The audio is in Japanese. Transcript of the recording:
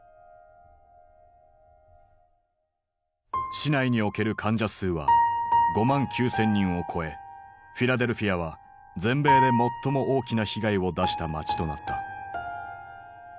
市内における患者数は５万９，０００人を超えフィラデルフィアは全米で最も大きな被害を出した街となった。